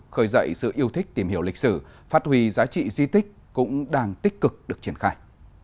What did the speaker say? khởi dậy sự yêu thích tìm hiểu lịch sử phát huy giá trị di tích cũng đang tích cực được triển khai